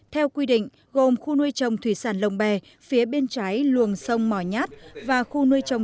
theo quy định gồm khu nuôi trồng thủy sản lồng bè phía bên trái luồng sông mò nhát và khu nuôi trồng